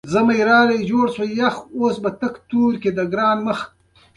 جواهرات د افغانستان یوه طبیعي ځانګړتیا ده.